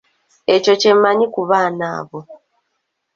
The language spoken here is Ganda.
Ekyo kye mmanyi ku baana abo.